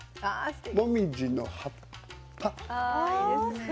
もみじの葉っぱ。